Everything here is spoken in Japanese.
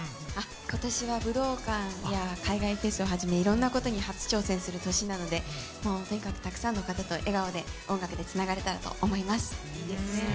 今年は武道館や、海外フェスをはじめいろんなことに初挑戦する年なので笑顔で音楽でつながれたらと思います。